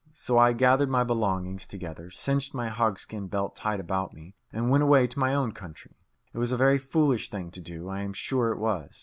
So I gathered my belongings together, cinched my hogskin belt tight about me, and went away to my own country. It was a very foolish thing to do. I am sure it was.